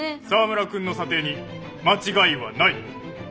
沢村くんの査定に間違いはない。